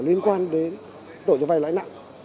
liên quan đến tội cho vay lãi nặng